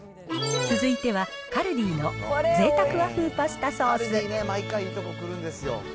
続いてはカルディの贅沢和風パスタソース。